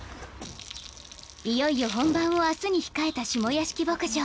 磴い茲い本番を明日に控えた下屋敷牧場